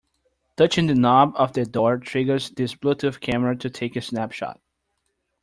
Touching the knob of the door triggers this Bluetooth camera to take a snapshot.